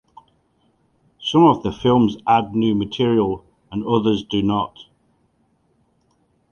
Some of the films add new material, and others do not.